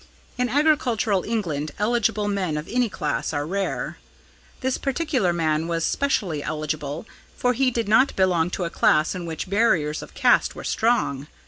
In agricultural England, eligible men of any class are rare. This particular man was specially eligible, for he did not belong to a class in which barriers of caste were strong.